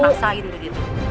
masa itu begitu